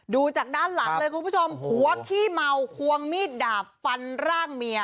ดูจากด้านหลังเลยคุณผู้ชมหัวขี้เมาควงมีดดาบฟันร่างเมีย